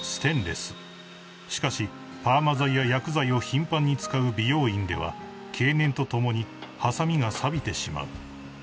［しかしパーマ剤や薬剤を頻繁に使う美容院では経年とともにはさみがさびてしまう］